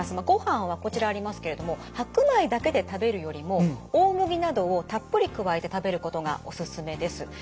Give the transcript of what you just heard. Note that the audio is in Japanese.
ご飯はこちらありますけれども白米だけで食べるよりも大麦などをたっぷり加えて食べることがおすすめです。